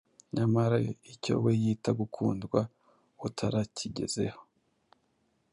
nyamara icyo we yita gukundwa utarakigezeho.